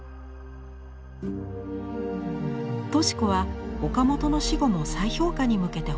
敏子は岡本の死後も再評価に向けて奔走します。